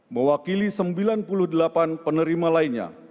mewakili sembilan puluh delapan penerima lainnya